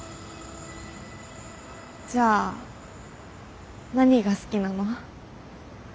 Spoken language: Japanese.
じゃあ何が好きなの？